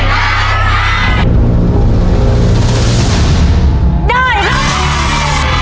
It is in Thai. ได้